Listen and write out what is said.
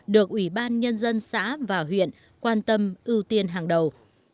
được ủy ban nhân dân xã và huyện quan tâm ưu tiên hàng đầu